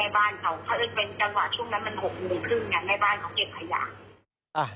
แม่บ้านเขาถ้าเอิ้นเป็นช่วงนั้น๖๓๐นแม่บ้านเขาเก็บภัยา